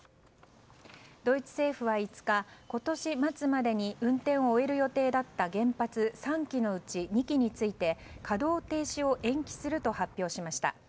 ドイツ政府は５日今年末までに運転を終える予定だった原発３基のうち２基について稼働停止を延期すると発表しました。